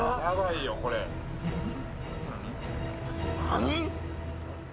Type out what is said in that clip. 何！？